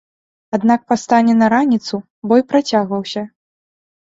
Аднак па стане на раніцу бой працягваўся.